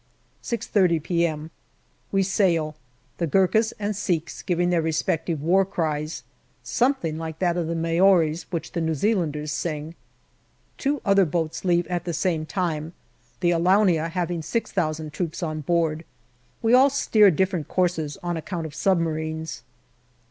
6.30 p.m. We sail, the Gurkhas and Sikhs giving their respective war cries, something like that of the Maoris which the New Zealanders sing. Two other boats leave at the same time, the Alaunia having 6,000 troops on board. We all steer different courses on account of submarines.